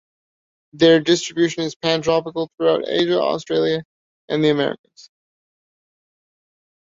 Their distribution is pantropical, throughout Asia, Australia and the Americas.